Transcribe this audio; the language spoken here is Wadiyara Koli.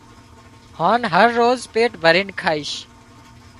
هانَ هروز پيٽ ڀرينَ کائيش